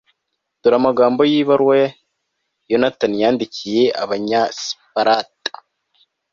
dore amagambo y'ibaruwa yonatani yandikiye abanyasiparita